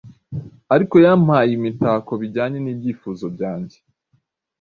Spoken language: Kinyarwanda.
Ariko yampaye imitakobijyanye nibyifuzo byanjye